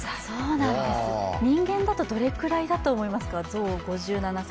人間だとどれくらいだと思いますか象、５７歳。